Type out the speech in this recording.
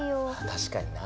確かにな。